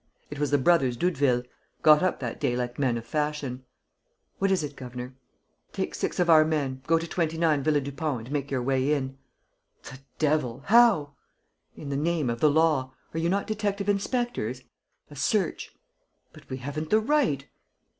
It was the brothers Doudeville, got up that day like men of fashion. "What is it, governor?" "Take six of our men, go to 29, Villa Dupont and make your way in." "The devil! How?" "In the name of the law. Are you not detective inspectors? A search. ..." "But we haven't the right.